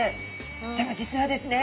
でも実はですね